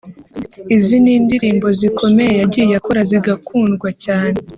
Izindi ni indirimbo zikomeye yagiye akora zigakundwa cyane